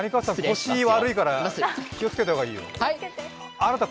腰悪いから気をつけた方がいいよ。